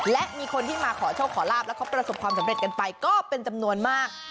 และมีคนที่มาขอโชคขอลาบแล้วเขาประสบความสำเร็จกันไปก็เป็นจำนวนมาก